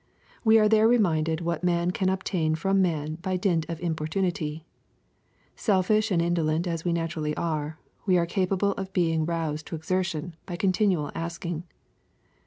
We are there reminded what man can obtain from man by dint of importunity. Selfish and indolent as we naturally are, we are capable of being roused to exertion by continual asking.